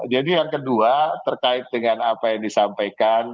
jadi yang kedua terkait dengan apa yang disampaikan